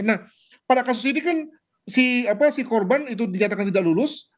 nah pada kasus ini kan si korban itu dinyatakan tidak lulus